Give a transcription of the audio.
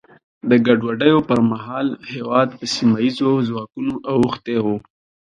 د ګډوډیو پر مهال هېواد په سیمه ییزو ځواکونو اوښتی و.